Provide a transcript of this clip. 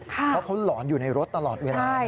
เพราะเขาหลอนอยู่ในรถตลอดเวลา